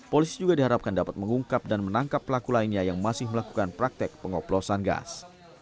polisi juga diharapkan dapat mengungkap dan menangkap pelaku lainnya yang masih melakukan praktek pengoplosan gas